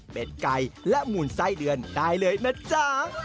เป็นไก่และหมูนไส้เดือนได้เลยนะจ๊ะ